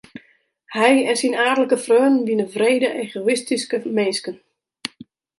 Hy en syn aadlike freonen wiene wrede egoïstyske minsken.